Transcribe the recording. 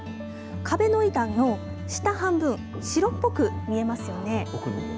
壁の板の下半分、白っぽく見えますよね。